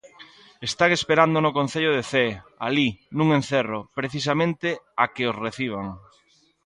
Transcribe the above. Están esperando no Concello de Cee, alí, nun encerro, precisamente a que os reciban.